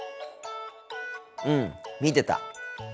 うん見てた。